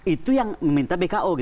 itu yang meminta bko